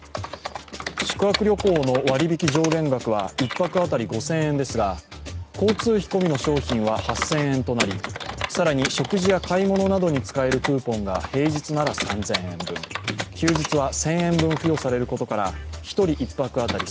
宿泊旅行の割引上限額は１泊当たり５０００円ですが交通費込みの商品は８０００円となり、更に食事や買い物などに使えるクーポンが平日なら３０００円分、休日は１０００円分付与されることから１人１泊当たり